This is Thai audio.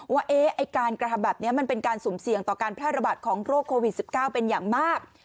ว่าเอ๊ะไอ้การกระหบัดนี้มันเป็นการสูมเสี่ยงต่อการพลาดระบาดของโรคโควิด๑๙เป็นอย่างมาก